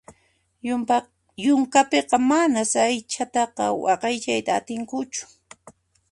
Yunkapiqa manas aychataqa waqaychayta atinkuchu.